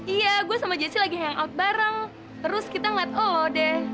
iya gue sama jessi lagi hangout bareng terus kita ngeliat oh deh